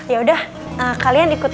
yaudah kalian ikut